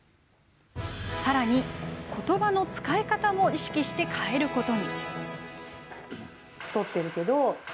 さらに、ことばの使い方も意識して変えることに。